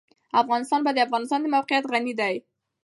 افغانستان په د افغانستان د موقعیت غني دی.